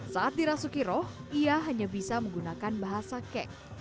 saat dirasuki roh ia hanya bisa menggunakan bahasa kek